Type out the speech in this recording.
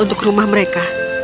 untuk rumah mereka